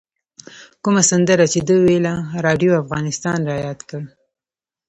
کومه سندره چې ده ویله راډیو افغانستان رایاد کړ.